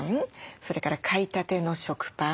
それから買いたての食パン。